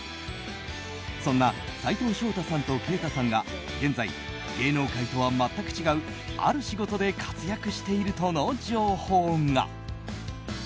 そんな斉藤祥太さんと慶太さんが現在、芸能界とは全く違うある仕事で活躍しているとの情報が。